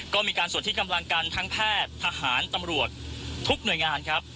ก็มีการส่วนที่กำลังกันทั้งแพทย์ทหารตำรวจทุกหน่วยงานครับ